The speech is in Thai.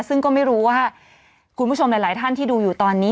ซึ่งก็ไม่รู้ว่าคุณผู้ชมหลายท่านที่ดูอยู่ตอนนี้